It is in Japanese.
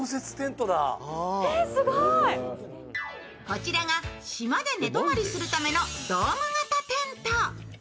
こちらが島で寝泊まりするためのドーム型テント。